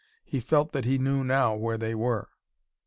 He felt that he knew now where they were.